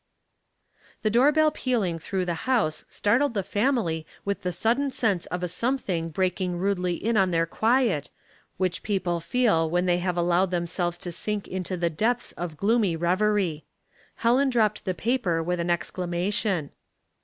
The door bell pealing through the house startled the family with a sudden sense of a something breaking rudely in on their quiet, which people feel when they have allowed themselves to sink into the depths of gloomy reverie. Helen dropped the paper with an exclamation.